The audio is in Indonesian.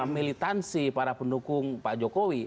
militansi para pendukung pak jokowi